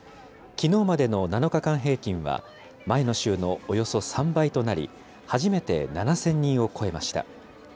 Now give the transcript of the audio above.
きのうまでの７日間平均は、前の週のおよそ３倍となり、初めて７０００人を超えました。